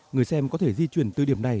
người xem có thể di chuyển từ điểm này